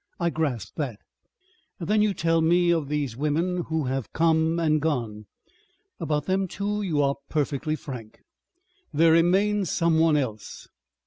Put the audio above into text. I grasp that. Then you tell me of these women who have come and gone.... About them too you are perfectly frank... There remains someone else."